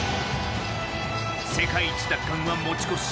世界一奪還は持ち越し。